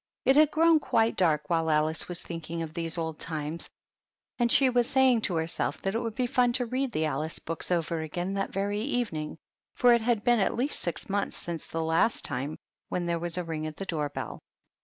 It had grown quite dark while Alice was think ing of these old times, and she was saying to her self that it would be fun to read the Alice books over again that very evening, for it had been at least six months since the last time, when there was a ring at the door bell.